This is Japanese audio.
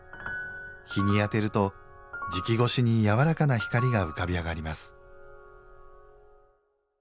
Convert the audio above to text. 陽に当てると、磁器ごしに柔らかな光が浮かび上がります。